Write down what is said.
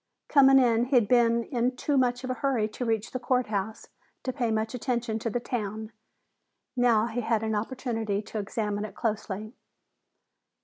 Coming in, he'd been in too much of a hurry to reach the court house to pay much attention to the town. Now he had an opportunity to examine it closely.